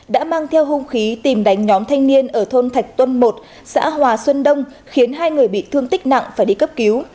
đã mang theo hung khí tìm đánh nhóm thanh niên ở thôn thạch tuân một xã hòa xuân đông khiến hai người bị thương tích nặng phải đi cấp cứu